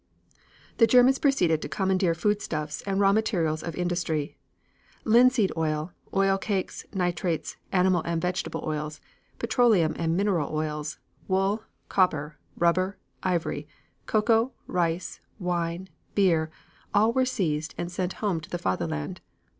The Germans proceeded to commandeer foodstuffs and raw materials of industry. Linseed oil, oil cakes, nitrates, animal and vegetable oils, petroleum and mineral oils, wool, copper, rubber, ivory, cocoa, rice, wine, beer, all were seized and sent home to the Fatherland.